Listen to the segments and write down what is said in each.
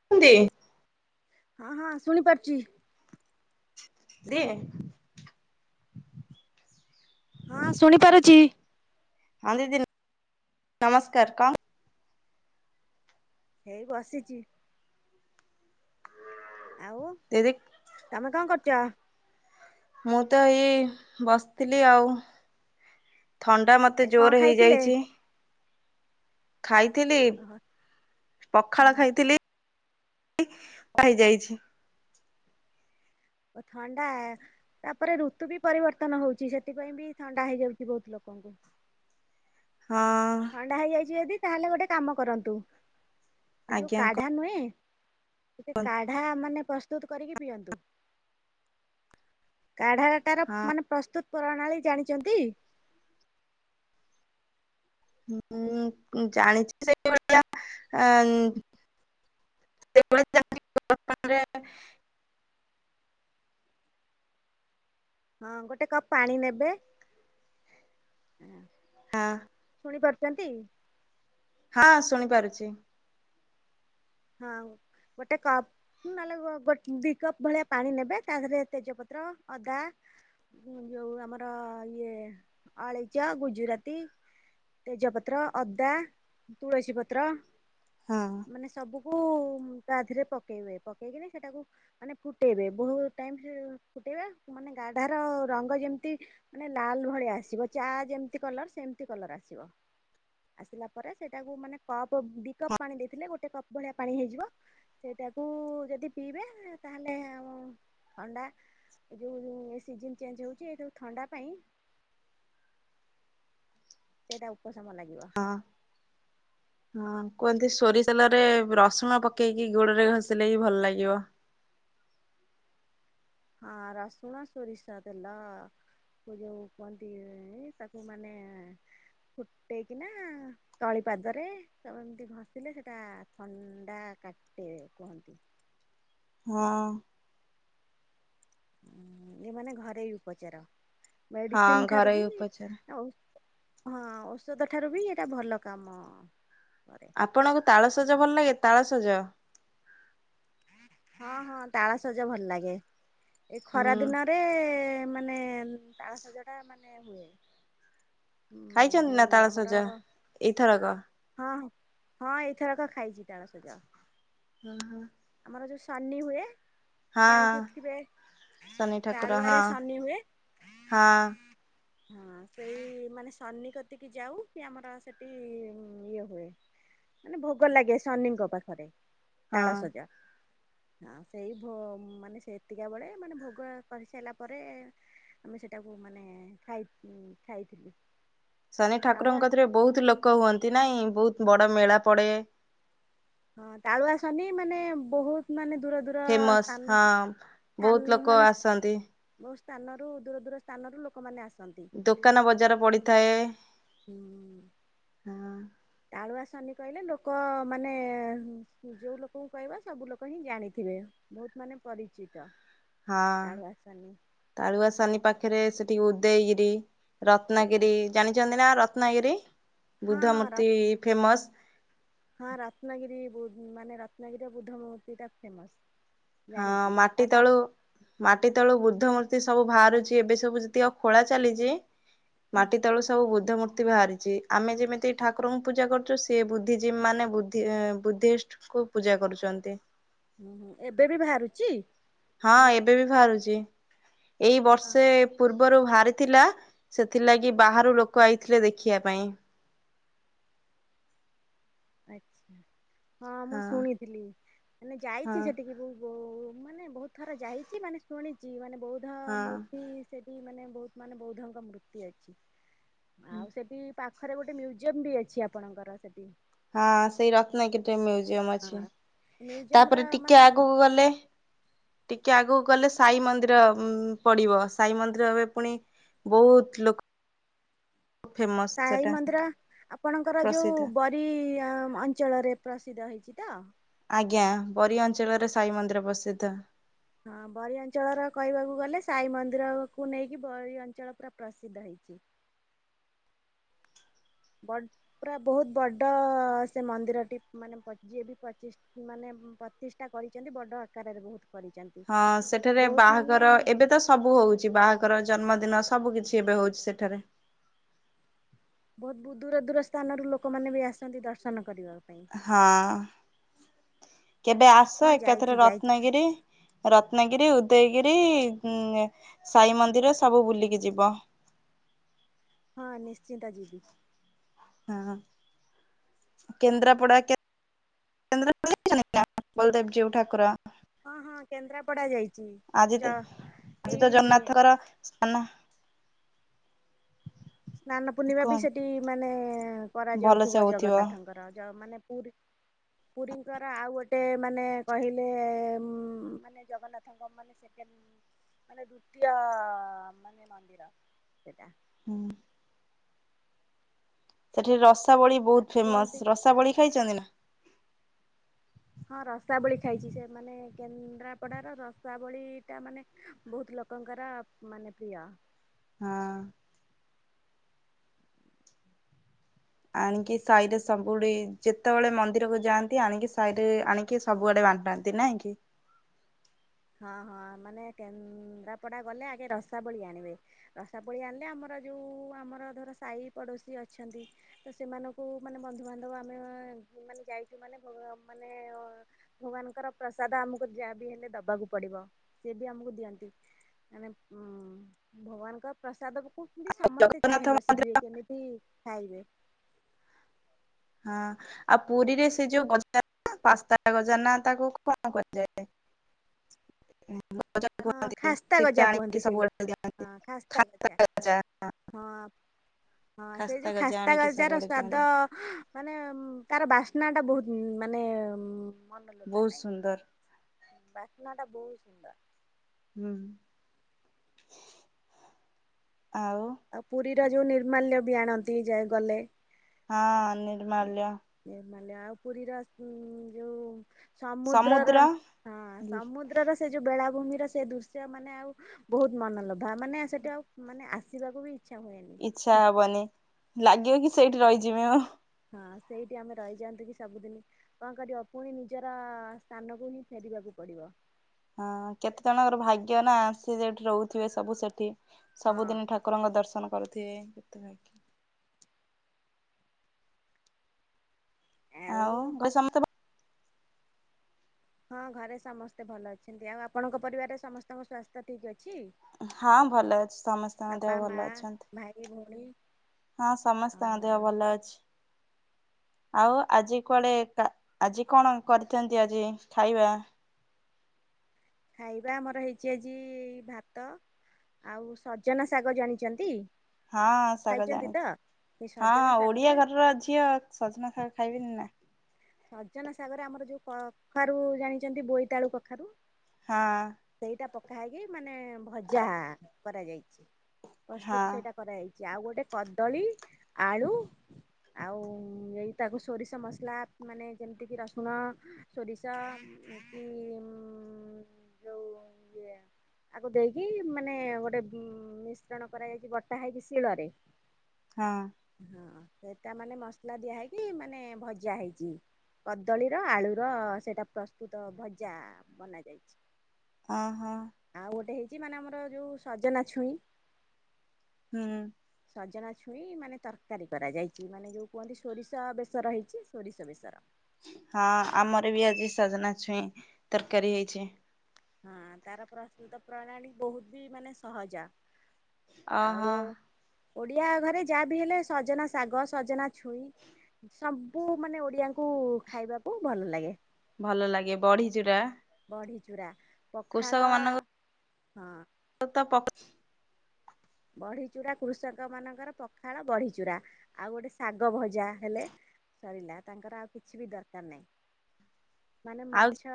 [unintelligible] ହଁ ହଁ, ଶୁଣିପାରୁଚି। ଦେ ହଁ, ଶୁଣି ପାରୁଚି। ହଁ ଦିଦି, ନ ନମସ୍କାର କଁ? ହେଇ ବସିଚି। ଆଉ ତିରିକ୍। ତମେ କଁ କରୁଚ? ମୁଁ ତ ଏଇ ବସଥିଲି ଆଉ, ଥଣ୍ଡା ମତ ଏ ମତେ କଣ ଜୋରେ ଖାଇଥିଲେ? ହେଇଯାଇଚି। ଖାଇଥିଲି, ଓହୋ ପଖାଳ ହୁଁ ଖାଇଥିଲି। ପାଇଯାଇଛି। ଓ ଥଣ୍ଡାଆ। ତା ପରେ ଋତୁ ବି ପରିବର୍ତ୍ତନ ହଉଚି, ସେଥିପାଇଁ ବି ଥଣ୍ଡା ହେଇଯାଉଚି ବହୁତ ଲୋକଙ୍କୁ। ହଁ ଥଣ୍ଡା ହେଇଯାଇଚି ଯଦି, ତାହେଲେ ଗୋଟେ କାମ କରନ୍ତୁ। ଏ ଯୋଉ ଆଜ୍ଞା କାଢା ନୁହେଁ, ଟିକେ କାଢା ମାନେ ପ୍ରସ୍ ପ୍ରସ୍ତୁତୁ କରିକି ପିଅନ୍ତୁ, କାଢାଟାର ହଁ ମାନେ ପ୍ରସ୍ତୁତୁ-। ପ୍ରଣାଳୀ ଜାଣିଚନ୍ତି? ଉଁ ଜାଣିଚି ସେଇଭଳିଆ ଆ ଉଁ [inaudible] ହଁ, ଗୋଟେ କପ୍ ପାଣି ନେବେ। ହଁ। ଶୁଣି ପାରୁଚନ୍ତି? ହଁ ଶୁଣି ପାରୁଚି। ହଁ ଗୋଟେ କପ୍। ହୁଁ ନଲେ ଗୋଟ୍ ଦି କପ୍ ଭଳିଆ ପାଣି ନେବେ ତା ଦେହରେ ତେଜପତ୍ର ଅଦା ଉଁ ଯୋଉ ଆମର ଇଏ ଆଳେଇଚ ଗୁଜୁରାତି ତେଜପତ୍ର ଅଦା ତୁଳସୀ ପତ୍ର। ହଁ। ମାନେ ସବୁକୁ ତା ଦେହରେ ପକେଇବେ ପକେଇକିରି ସେଟାକୁ ମାନେ ଫୁଟେଇବେ ବହୁତ ଟାଇମ୍ ଫୁଟେଇବେ ମାନେ ଗାଢାର ରଙ୍ଗ ଯେମିତି ମାନେ ଲାଲ ଭଳିଆ ଆସିବ ଚା ଯେମିତି କଲର ସେମିତି କଲର ଆସିବ। ଆସିଲା ପରେ ସେଇଟାକୁ ମାନେ କପ ଦି କପ୍ ପାଣି ଦେଇଥିଲେ ଗୋଟେ କପ୍ ଭଳିିଆ ପାଣି ହେଇଯିବ। ସେଇଟାକୁ ଯଦି ପିଇବେ ତାହେଲେ ଆଉ ଥଣ୍ଡା ଏ ଯଉ ଏ ସିଜନ ଚେଞ୍ଜ ହେଉଛି ଏ ଯଉ ଥଣ୍ଡା ପାଇଁ ସେଇଟା ଉପଶମ ଲାଗିବ। ହଁ। ହଁ କୁହନ୍ତି ସୋରିଷ୍ ତେଲରେ ରସୁଣ ପକେଇକି ଗୋଡ ରେ ଘଷିଲେ ହି ଭଲ ଲାଗିବ। ହଁ ରସୁଣ ସୋରିଷ ତେଲ। ଏ ଯୋଉ କୁହନ୍ତି ଏ ତାକୁ ମାନେ ଫୁଟେଇକିନା ତଳିପାଦରେ ତାକୁ ଏମିତି ଘଷିଲେ ସେଟା ଥଣ୍ଡା କାଟେ କୁହନ୍ତି। ହଁ। ଉଁ ଏ ମାନେ ଘରେଇ ଉପଚାର। ମେଡିସିନ୍ ହଁ ଠାରୁ ଘରୋଇ ବି ଉପଚାର ଆଉ ହଁ ଔଷଧ ଠାରୁ ବି ଏଇଟା ଭଲ କାମ କରେ। ଆପଣଙ୍କୁ ତାଳସଜ ଭଲ ଲାଗେ ତାଳସଜ? ହଁ ହଁ ତାଳସଜ ଭଲ ଲାଗେ ଏଇ ଖରା ହୁଁ ଦିନ ରେ ମାନେ ତାଳସଜ ଟା ମାନେ ହୁଏ। ହୁଁ ଖାଇଚନ୍ତି ନା ଯୋଉ ଆମର ତାଳସଜ ଏଇଥରକ? ହଁ ହଁ ଏଇଥରକ ଖାଇଚି ତାଳସଜ। ହୁଁ ହୁଁ। ଆମର ଯୋଉ ସନି ହୁଏ ହଁ ଜାଣିଛଥିବେ ଶନି ଠାକୁର ହଁ ତାଳୁଆରେ ସନି ହୁଏ? ହଁ। ହଁ ସେଇ ମାନେ ସନି କତିକି ଯାଉ କି ଆମର ସେଠି ଇଏ ହୁଏ। ମାନେ ଭୋଗ ଲାଗେ ସନିଙ୍କ ପାଖରେ ହଁ। ତାଳସଜ। ଆଉ ସେଇ ଭ ମାନେ ସେତିକକା ବେଳେ ମାନେ ଭୋଗ କରିସାରିଲା ପରେ ଆମେ ସେଟାକୁ ମାନେ ଖାଇ ଖାଇ ଥିଲୁ। ଶନି ଠାକୁରଙ୍କ ରେ ବହୁତ ଲୋକ ହୁଅନ୍ତି ନାଇଁ? ବହୁତ ବଡ ମେଳା ପଡେ। ହଁ ତାଳୁଆସନି ମାନେ ବହୁତ ମାନେ ଦୂର ଦୂର ଫେମସ୍ ସ୍ଥାନ ହଁ ସ୍ଥା ବହୁତ ଲୋକ ମାନେ ଆସନ୍ତି। ବହୁତ ସ୍ଥାନରୁ ଦୂର ଦୂର ସ୍ଥାନରୁ ଲୋକମାନେ ଆସ ଦୋକାନ ବଜାର ପଡିଥାଏ। ହୁଁ। ହଁ। ତାଳୁଆ ସନି କହିଲେ ଲୋକ ମାନେ ଯେଉଁ ଲୋକୁ କହିବ ସବୁ ଲୋକ ହିଁ ଜାଣିଥିବେ। ବହୁତ ମାନେ ପରିଚିତ। ହଁ। ତାଳୁଆ ଶନି ତାରୁଆ ସନି ପାଖରେ ସେଠି ଉଦେଇଗିରି ହଁ ରତ୍ନାଗିରି ଜାଣିଚନ୍ତି ନା ରତ୍ନାଗିରି? ବୁଦ୍ଧ ହଁ ର ମୂର୍ତ୍ତି ଫେମସ୍। ହଁ ରତ୍ନଗିରି ବୁ ମାନେ ରତ୍ନଗିରିରେ ବୁଦ୍ଧ ମୂର୍ତ୍ତି ଟା ଫେମସ୍। ହଁ ଜାଣିଛି ତା ମାଟି ପା ତଳୁ ମାଟି ତଳୁ ବୃଦ୍ଧ ମୂର୍ତ୍ତି ସବୁ ବାହାରୁଚି। ଏବେ ସବୁ ଯେତିକ ଖୋଳା ଚାଲିଚି ମାଟି ତଳୁ ସବୁ ବୁଦ୍ଧ ମୂର୍ ର୍ତ୍ତି ହାରିଚି ଆମେ ଯେମିତି ଠାକୁରଙ୍କୁ ପୂଜା କରୁଚେ ସିଏ ବୁଦ୍ଧିଜୀବୀ ମାନେ ବଦ୍ଧି ଉଁ ବୁଦ୍ଧିଷ୍ଟ ସ୍କୁ କୁ ପୂଜା କରୁଚନ୍ତି। ଉଁ ହୁଁଏବେ ବି ବାହାରୁଚି? ହଁ ଏବେ ବି ବାହାରୁଚି। ଏଇ ହଁ ବର୍ଷେ ପୂର୍ ର୍ବରୁ ଭାହାରିଥିଲା। ସେଥିଲାଗି ବାହାରୁ ଲୋକ ଆଇଥିଲେ ଦେଖିଆ ପାଇଁ। ଆଚ୍ଛା। ହଁ ମୁଁ ଶୁଣିଥିଲି। ମାନେ ହଁ ଯାଇଚି ସେଠିକି ବୋ ଓ ମାନେ ବହୁତ ଥର ଯାଇଚି ମାନେ ଶୁଣିଚି ମାନେ ବୌଦ୍ଧ ହଁ ମୂର୍ତ୍ତି ସେଟି ମାନେ ବହୁତ୍ ମାନେ ବୌଦ୍ଧଙ୍କ ମୂର୍ତ୍ତି ଅଛି। ଆଉ ସେଟି ପାଖରେ ଗୋଟେ ମ୍ୟୁଜିୟମ ବି ଅଛି। ଆପଣଙ୍କର ସେଟି। ହଁ ସେଇ ରତ୍ନଗିରି ଟେ ମ୍ୟୁଜିୟମ ହଁ ଅଛି। ମ୍ୟୁଜିୟମ ର ତାପରେ ଟିକେ ମାନେ ଆଗୁକୁ ଗଲେ ଟିକେ ଆଗୁକୁ ଗଲେ ସାଇ ମନ୍ଦିର ଉଁ ପଡିବ। ସାଇ ମନ୍ଦିର ଏବେ ପୁଣି ବହୁତ ଲୋକ୍ ଫେମସ୍। ସାଇ ମନ୍ଦିର ଆପଣଙ୍କର ଯୋଉ ପ୍ରସିଦ୍ଧ। ବ ରୀ ଅ ମଞ୍ଚଳରେ ପ୍ରସିଦ୍ଧ ହେଇଚି ତ? ଆଜ୍ଞା। ବରି ଅଞ୍ଚଳରେ ସାଇ ମନ୍ଦିର ପ୍ରସିଦ୍ଧ। ହଁ ବରି ଅଞ୍ଚଳର କହିବାକୁ ଗଲେ ସାଇ ମନ୍ଦିରକୁ ନେଇକି ବରି ଅଞ୍ଚଳ ପୁରା ପ୍ରସିଦ୍ଧ ହେଇଚି। ବଡ୍ ପୁରା ବହୁତ ବଡ଼ ସେ ମନ୍ଦିରଟି। ମାନେ ପ ଯିଏ ବି ପଚିଶ୍ ମା ନେ ପ୍ରତିଷ୍ଠା କରିଚନ୍ତି ବଡ ଆକାରରେ ବହୁତ କରିଚନ୍ତି। ହଁ ସେଠାରେ ବାହାଘର ଏବେ ତ ସବୁ ହୋଉଚି ବାହାଘର, ଜନ୍ମଦିନ ସବୁ କିଛି ଏବେ ହୋଉଚି ସେଠାରେ। ବୋହୁତ ବେହୁତ ଦୂର ଦୂର ସ୍ଥାନରୁ ଲୋକମାନେ ବି ଆସନ୍ତି ଦର୍ଶନ କରିବା ପାଇଁ। ହଁ କେବେ ଆସ ହଁ ଯାଇଛି ଏକାଥରେ ଯାଇଛି ରତ୍ନଗିରି ରତ୍ନଗିରି, ଉଦୟଗିରି ଉଁ ଆ ସାଇ ମନ୍ଦିର ସବୁ ବୁଲିକି ଯିବ। ହଁ ନିଶ୍ଚିନ୍ତ ଯିବି। ହଁ ହଁ। କେନ୍ଦ୍ରାପଡ଼ା କେ [unintelligible] ଦେଖିଚନ୍ତି ନା? ବଲଦେବଜିଉ ଠାକୁର। ହଁ ହଁ କେନ୍ଦ୍ରାପଡା ଯାଇ ଆଜି ତ ଆଜି ତ ଜନ୍ନାଥଙ୍କର ସ୍ଥାନ ସ୍ନାନ ପୂର୍ଣ୍ଣିମା ବି ସେଟି ମାନେ ଭଲସେ କରାଯାଉଥିବ ହଉଥିବ ଜଗନ୍ନାଥଙ୍କର ଯ ମାନେ ପୁରୀ ପୁରୀଙ୍କର ଆଉ ଗୋଟେ ମାନେ କହିଲେ ମ୍ ମାନେ ଜଗନ୍ନାଥଙ୍କ ମାନେ ସେଣ୍ଡ ମାନେ ଦ୍ଵିତୀୟ ମାନେ ମନ୍ଦିର ସେଇଟା। ହୁଁ। ସେଠି ରସାବଳି ବହୁତ ଫେମସ୍। କୁହନ୍ତି ରସାବଳି ଖାଇଛନ୍ତି ନା? ହଁ ରସାବଳି ଖାଇଚି। ସେ ମାନେ କେନ୍ଦ୍ରାପଡାର ରସାବଳି ଟା ମାନେ ବହୁତ ଲୋକଙ୍କର ମାନେ ପ୍ରିୟ। ହଁ। ଆଣିକି ସାହି ରେ ସବୁ ଡ଼ି ଯେତେବେଳେ ମନ୍ଦିରକୁ ଯାଆନ୍ତି ଆଣିକି ସାହିରେ ଆଣିକି। ସବୁଆଡେ ବାଣ୍ଟାନ୍ତି ନାଇଁ କି? ହଁ ହଁ ମାନେ କେନ୍ଦ୍ରାପଡ଼ା ଗଲେ ଆଗେ ରସାବଳି ଆଣିବେ। ରସା ବଳି ଆଣିଲେ ଆମର ଯୋଉ ଆମର ଧର ସାହି ପଡ଼ୋଶୀ ଅଛନ୍ତି। ତ ସେମାନଙ୍କୁ ମାନେ ବନ୍ଧୁବାନ୍ଧବ ଆମେ ମାନେ ଯାଇଛୁ ମାନେ ମାନେ। ଭଗବାନଙ୍କର ପ୍ରସାଦ ଆମକୁ ଯାହା ବି ହେଲେ ଦବାକୁପଡିବ। ପଡ଼ିବ ସେି ବି ଆମକୁ ଦିଅନ୍ତି ମାନେ ଭଗବାନଙ୍କ ପ୍ରସାଦକୁ। ଏମିତି ସମସ୍ତେ ଜଗନ୍ନାଥ ଚାହିଁ ମନ୍ଦିର ବସିଥିବେ କେମିତି ଖାଇବେ। ହଁ ଆଉ ପୁରୀରେ ସେ ଯୋଉ ଗଜା ପାସ୍ତା ଗଜା ନା ତାକୁ କଣ କୁହାଯାଏ? ହ ହଁ କୁନ୍ତି ଖାସ୍ତା ଗଜା ସେଟା କୁହନ୍ତି ଆଣିକି ସେଇ ସବୁଡ ଦିଅନ୍ତି ହଁ ଖାସ୍ତା ଖା ଗଜା [unintelligible] ହଁ ହଁ ସେ ଯୋଉ ଗଜା ଖାସ୍ତା ଆଣିକି ଗଜାର ସବୁଆଡେ ଦିଅନ୍ତି ସ୍ୱାଦ। ମାନେ ତାର ବାସ୍ନା ଟା ବହୁତ ମାନେ। ମନ ଲୋଭା ବହୁତ ନାହିଁ ସୁନ୍ଦର। ବାସ୍ନା ଟା ବହୁତ ସୁନ୍ଦର। ହୁଁ ଆଉ। ଆଉ ପୁରୀର ଯୋଉ ନିର୍ମାଲ୍ୟ ବି ଆଣନ୍ତି ଯାଏ ଗଲେ। ହଁ ନିର୍ମାଲ୍ୟ। ନିର୍ମାଲ୍ୟ ଆଉ ପୁରୀର ଯୋଉ। ସମୁଦ୍ରର ସମୁଦ୍ର ହଁ ସମୁଦ୍ରର। ସେ ଯୋଉ ବେଳାଭୂମିର ସେ ଦୃଶ୍ୟ ମାନେ ଆଉ ବହୁତ ମନଲୋଭା ମାନେ ସେଠି ଆଉ। ମାନେ ଆସିବାକୁ ବି ଇଚ୍ଛା ହୁଏନି। ଇଚ୍ଛା ହବନି ଲାଗିବ କି ସେଇଠି ରହିଯିବିମ। ହଁ ସେଇଠି ଆମେ ରହିଯାଆନ୍ତୁ କି ସବୁଦିନ। କଣ କରିବ ପୁଣି ନିଜର ସ୍ଥାନକୁ ହିଁ ଫେରିବାକୁ ପଡିବ। ହଁ କେତେ ଜଣଙ୍କର ଭାଗ୍ୟ ନା ଆସି ସେଠି ରହୁଥିବେ ସବୁ ସେଠି ହଁ ସବୁଦିନ ଠା। ଠକୁରଙ୍କ ଦର୍ଶନ କରୁଥିବେ। ଆଉ ଘରେ ସମସ୍ତେ ଭଲ ହଁ ଘରେ ସମସ୍ତେ ଭଲ ଅଛନ୍ତି। ଆଉ ଆପଣଙ୍କ ପରିବାରରେ ସମସ୍ତଙ୍କ ସ୍ୱାସ୍ଥ୍ୟ ଠିକ୍ ଅଛି। ହଁ ଭଲ ଅଛି ସମସ୍ତେଙ୍କ ବାପା ଦେହ ମା ଭଲ ଅଛନ୍ତି। ଭାଇ ଭଉଣୀ। ହଁ ସମସ୍ତଙ୍କ ଦେହ ଓହୋ ଭଲ ଅଛି। ଆଉ ଆଜି କୁଆଡେ ଆଜି କଣ କରିଥାନ୍ତି ଆଜି ଖାଇବା? ଖାଇବା ଆମର ହେଇଛି ଆଜି ଭାତ। ଆଉ ସଜନା ଶାଗ ଜାଣିଛନ୍ତି। ହଁ ଶାଗ ଖାଇଛନ୍ତି ତ ଜାଣିଚି ସେ ସଜନା ହଁ ଓଡିଆ ଶାଗରେ ଘରର ଝିଅ ସଜମା ଶାଗ ଖାଇବିନି ନା। ସଜନ ସାଗର ରେ ଆମର ଯେଉଁ କଖାରୁ ଜାଣିଛନ୍ତି। ବୋଇତାଳୁ କଖାରୁ ହଁ। ସେଇଟା ପକା ହେକି ମାନେ ଭଜା କରାଯାଇଚି। ହଁ ପ୍ରସ୍ତୁତ ସେଇଟା କରାଯାଇଚି। ଆଉ ଗୋଟେ କଦଳୀ ଆଳୁ ଆଉ ଏଇ ଟାକୁ ସୋରିଷ ମସଲା ମାନେ ଯେମିତିକି ରସୁଣ ସୋରିଷ ଯୋଉ ଇଏ ଆକୁ ଦେଇକି ମାନେ ଗୋଟେ ଉ ମିଶ୍ରଣ କରାଯାଇଚି ବଟା ହେଇକି ଶିଳରେ। ହଁ। ହଁ ସେଟା ମାନେ ମସଲା ଦିଆ ହେଇକି ମାନେ ଭଜା ହେଇଚି। କଦଳୀର ଆଳୁର ସେଇଟା ପ୍ରସ୍ତୁତ ଭଜା ବନା ଯାଇଚି। ଓ ହଁ ଆଉ ଗୋଟେ ହେଇଛି ମାନେ ଆମର ଯୋଉ ସଜନା ଛୁଇଁ। ହୁଁ ସଜନା ଛୁଇଁ ମାନେ ତରକାରୀ କରାଯାଇଛି। ମାନେ ଯୋଉ କୁହନ୍ତି ସୋରିଷ ବେସର ହେଇଛି ସୋରିଷ ବେସର। ହଁ ଆମର ବି ଆଜି ସାଜନା ଛୁଇଁ ତରକାରୀ ହେଇଛି। ହଁ ତାର ପ୍ରସ୍ତୁତ ପ୍ରଣାଳୀ ବହୁତ ବି ମାନେ ସହଜ। ଆଉ ଅହୋ ଓଡିଆ ଘରେ ଯାହା ବିି ହେଲେ ସଜନା ଶାଗ ସଜନା ଛୁଇଁ ସବୁ ମାନେ ଓଡିଆଙ୍କୁ ଖାଇବାକୁ ଭଲ ଲାଗେ। ଭଲ ଲାଗେ ବଢି ଚୂୁରା। ବଢ଼ି ଚୂୁରା ପଖାଳ ମାନଙ୍କ [unintelligible] ବଢ଼ିଚୂୁରା କୃଷକମାନାନଙ୍କର ପଖାଳ ବଢ଼ିଚୂୁରା। ଆଉ ଗୋଟେ ଶାଗ ଭଜା ହେଲେ ସରିଲା ତାଙ୍କର ଆଉ କିଛି ବି ଦରକାର ନାହିଁ। ମାନେ ଆଉ ମାଛ ଛ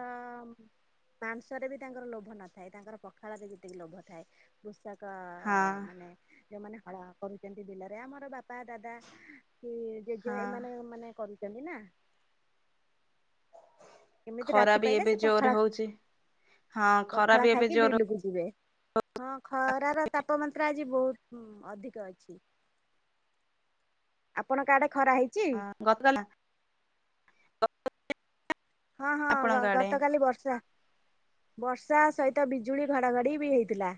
ମାଂସରେ ବି ତାଙ୍କର ଲୋଭ ନଥାଏ। ତାଙ୍କର ପଖାଳରେ ଯେତିକି ଲୋଭ ଥାଏ। କୃଷକ ହଁ ଯୋଉମାନେ ହଳ କରୁଛନ୍ତି ବିଲରେ ଆମର ବାପା ଦାଦା କି ଜେଜେ ହଁ ଏମାନେ ମାନେ କରୁଛନ୍ତି ନା। କେମିତି ଖରା ରାତି ବି ପାଇଲେ ଏବେ ସେ ପଖାଳ ଜୋର ହଉଛି। ହଁ ଖରା ପଖାଳ ବି ଏବେ ଖାଇକି ଜୋର ବିଲକୁ ଯିବେ। ହଁ ଖରାର ତାପମାତ୍ରା ଆଜି ବହୁତ ଉଁ ଅଧିକ ଅଛି। ଆପଣଙ୍କ ଆଡେ ଖରା ହେଇଛି? ଗତଲା ହଁ ହଁ ଆପଣଙ୍କ ଆଡେ ଗତକାଲି ବର୍ଷା ବର୍ଷା ସହିତ ବିଜୁଳି ଘଡଘଡି ବି ହେଇଥିଲା।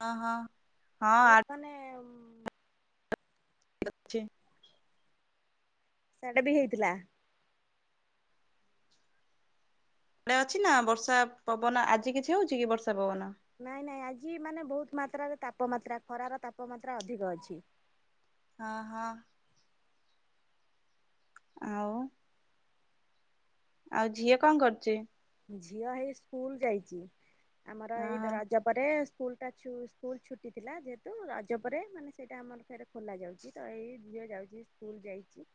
ହଁ ହଁ ହଁ ଆ ବହୁତ ମାନେ ଉଁ [inaudible] ସାଡେ ବି ହେଇଥିଲା। ଣେ ଅଛି ନା ବର୍ଷା ପବନ ଆଜି କିଛି ହୋଉଛି କି ବର୍ଷା ପବନ? ନାଇଁ ନାଇଁ ଆଜି ମାନେ ବହୁତ ମାତ୍ରାରେ ତାପମାତ୍ରା ଖରାର ତାପମାତ୍ରା ଅଧିକ ଅଛି। ଅ ହ ଆଉ ଆଉ ଝିଅ କଣ କରୁଛି? ଝିଅ ହେଇ ସ୍କୁଲ ଯାଇଛି। ଆମର ହଁ ଏଇ ହଁ ଦରଜ ପରେ ସ୍କୁଲତା ସ୍କୁଲ୍ ଛୁଟି ଥିଲା ଯେହେତୁ ରଜ ପରେ ମାନେ ସେଇଟା ଆମର ଫେର ଖୋଲା ଯାଉଛି ତ ଏଇ ଝିଅ ଯାଉଛି ସ୍କୁଲ ଯାଇଛି।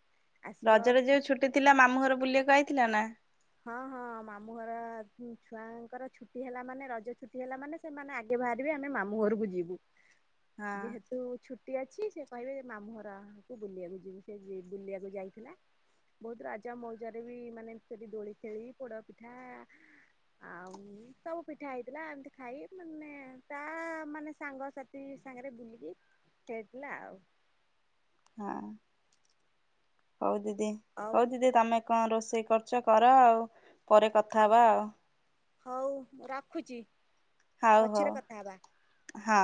ଆସିବ ରଜରେ ଯୋଉ ଛୁଟି ଥିଲା ମାମୁଁ ଘର ବୁଲିଆକୁ ଆଇଥିଲ ନା? ହଁ ହଁ ମାମୁଁ ଘର ଛୁଆଙ୍କର ଛୁଟି ହେଲା ମାନେ ରଜ ଛୁଟି ହେଲା ମାନେ ସେମାନେ ଆଗେ ବାହାରିବେ ଆମେ ମାମୁଁ ଘରକୁ ଯିବୁ। ହଁ ଯେହେତୁ ଛୁ ଟି ଅଛି ସେ କହିବେ ମାମୁଁର କୁ ବୁଲିଆକୁ ଯିବୁ ସେ ବୁଲିଆକୁ ଯାଇଥିଲା। ବହୁତ ରାଜା ମୌଜାରେ ବି ମାନେ ସେଠି ଦୋଳି ଖେଳି ପୋଡପିଠା ଆଉ ସବୁ ପିଠା ହେଇଥିଲା ଏମିତି ଖାଇ ମାନେ ତା ମାନେ ସାଙ୍ଗସଥି ଥି ସାଙ୍ଗରେ ବୁଲିକି ଖେଳିଥିଲା ଆଉ। ହୁଁ ହୋଉ ଦିଦି ଆଉ ହୋଉ ଦିଦି ତମେ କଣ ରୋଷେଇ କରୁଛ କର ଆଉ ପରେ କଥା ହବା ଆଉ। ହଉ ରଖୁଚି। ହଉ ହଉ ହଁ।